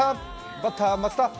バッター・松田。